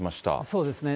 そうですね。